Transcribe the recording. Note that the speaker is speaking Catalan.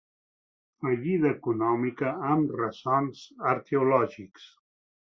Fallida econòmica amb ressons arqueològics.